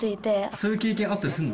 そういう経験あったりするの？